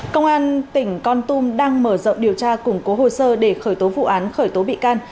công an tỉnh con tum đang mở rộng điều tra củng cố hồ sơ để khởi tố vụ án khởi tố bị can